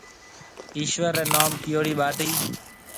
ايشوَر رَي نوم ڪيئوڙِي ٻاٽِي۔